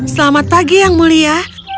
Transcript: selamat pagi yang mulia